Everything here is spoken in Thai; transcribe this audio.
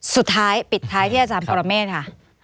สุดท้ายปิดท้ายที่อาจารย์ปรเมฆค่ะ